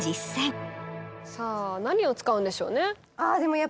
さぁ何を使うんでしょうね？